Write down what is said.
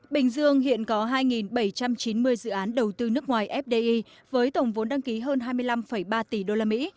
bình dương hiện có hai bảy trăm chín mươi dự án đầu tư nước ngoài fdi với tổng vốn đăng ký hơn hai mươi năm ba tỷ usd